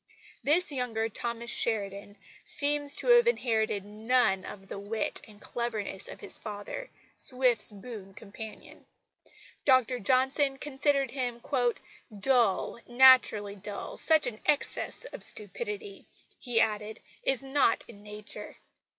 This younger Thomas Sheridan seems to have inherited none of the wit and cleverness of his father, Swift's boon companion. Dr Johnson considered him "dull, naturally dull. Such an excess of stupidity," he added, "is not in nature."